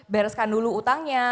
bereskan dulu utangnya